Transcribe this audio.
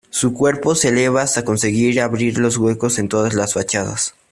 Su cuerpo se eleva hasta conseguir abrir los huecos en todas las fachadas.